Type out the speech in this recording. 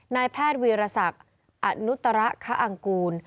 นายแพทย์วีรศักดิ์อนุตระคังกูล